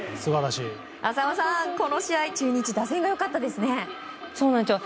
浅尾さん、この試合、中日は打線がよかったですよね。